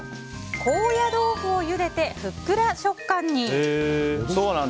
高野豆腐をゆでてふっくら食感に！